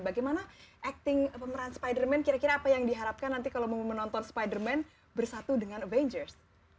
bagaimana acting pemeran spider man kira kira apa yang diharapkan nanti kalau mau menonton spiderman bersatu dengan avengers